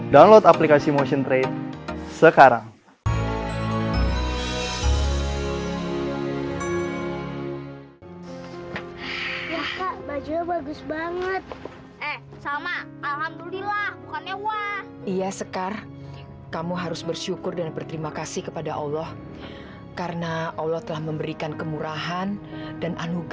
download aplikasi motion trade sekarang